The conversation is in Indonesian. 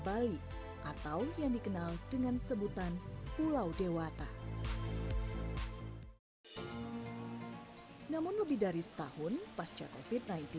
bali atau yang dikenal dengan sebutan pulau dewata namun lebih dari setahun pasca covid sembilan belas